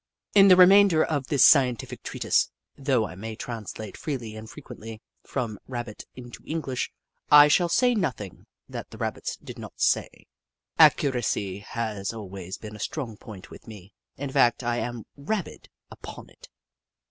In the remainder of this scientific treatise, though I may translate freely and frequently from Rabbit into English, I shall say nothing that the Rabbits did not say. Accuracy has always been a strong point with me — in fact, I am rabid upon it.